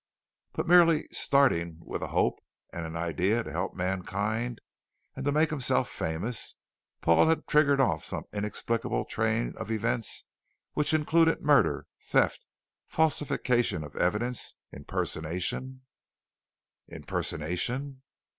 But merely starting with a hope and an idea to help Mankind and make himself famous Paul had triggered off some inexplicable train of events which included murder, theft, falsification of evidence, impersonation Impersonation!